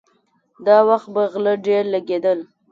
دا وخت به غله ډېر لګېدل.